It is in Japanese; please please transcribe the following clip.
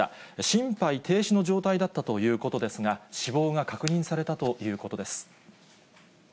心肺停止の状態だったということですが、死亡が確認されたということです。